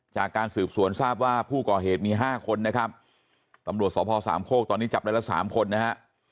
จากการสืบสวนทราบว่าผู้ก่อเหตุมี๕คนนะครับตำรวจสพสามโคกตอนนี้จับได้ละ๓คนนะฮะ